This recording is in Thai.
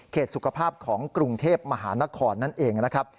สุขภาพของกรุงเทพมหานครนั่นเองนะครับ